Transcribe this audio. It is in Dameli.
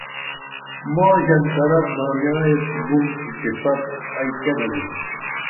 ماں ژنترا دامیاں ایس بُن اتفاق ائی کیہ گنِم